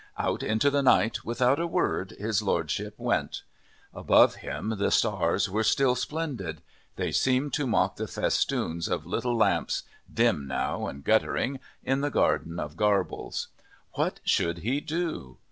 Out into the night, without a word, his Lordship went. Above him the stars were still splendid. They seemed to mock the festoons of little lamps, dim now and guttering, in the garden of Garble's. What should he do?